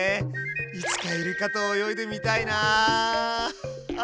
いつかイルカと泳いでみたいな。